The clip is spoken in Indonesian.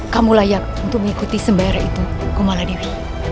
kamu layak untuk mengikuti sembahyara itu kumala dewi